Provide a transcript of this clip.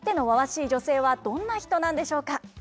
い女性はどんな人なんでしょうか？